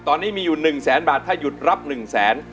ตอนนี้มีอยู่๑แสนบาทถ้าหยุดรับ๑แสน